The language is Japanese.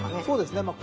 そうですね。